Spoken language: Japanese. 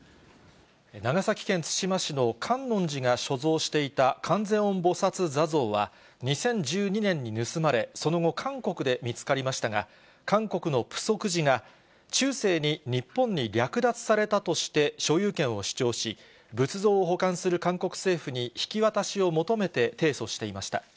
長崎県対馬市の観音寺が所蔵していた観世音菩薩坐像は、２０１２年に盗まれ、その後、韓国で見つかりましたが、韓国のプソク寺が、中世に日本に略奪されたとして所有権を主張し、仏像を保管する韓国政府に引き渡しを求めて提訴していました。